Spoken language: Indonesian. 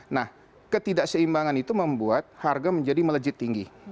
nah ketidakseimbangan itu membuat harga menjadi melejit tinggi